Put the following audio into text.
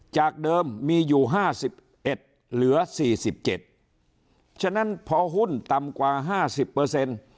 จากเดิมมีอยู่ห้าสิบเอ็ดเหลือสี่สิบเจ็ดฉะนั้นพอหุ้นต่ำกว่าห้าสิบเปอร์เซ็นต์